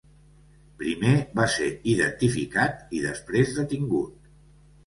Primer va ser identificat i després detingut.